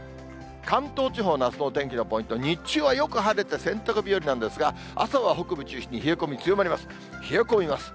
関東地方のあすのお天気のポイント、日中はよく晴れて、洗濯日和なんですが、朝は北部中心に冷え込み強まります、冷え込みます。